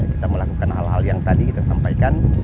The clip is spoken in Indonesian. kita melakukan hal hal yang tadi kita sampaikan